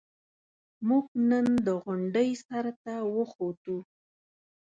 موږ نن د غونډۍ سر ته وخوتو.